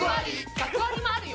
学割もあるよ。